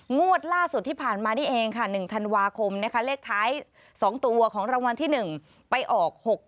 งวดล่าสุดที่ผ่านมานี่เองค่ะ๑ธันวาคมนะคะเลขท้าย๒ตัวของรางวัลที่๑ไปออก๖๖